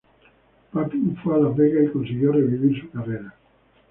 Papin fue a Las Vegas y consiguió revivir su carrera.